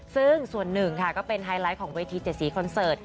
ซึ่งส่วนหนึ่งค่ะก็เป็นไฮไลท์ของเวที๗๔คอนเสิร์ต